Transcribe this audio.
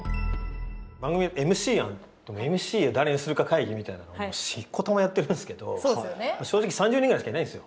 番組ＭＣ案ＭＣを誰にするか会議みたいなのをしこたまやってるんですけど正直３０人ぐらいしかいないんですよ。